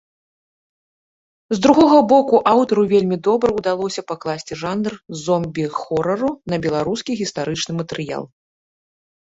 З другога боку, аўтару вельмі добра ўдалося пакласці жанр зомбі-хорару на беларускі гістарычны матэрыял.